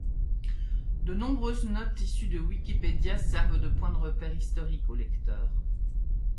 De nombreuses notes issues de Wikipédia servent de points de repères historiques au lecteur.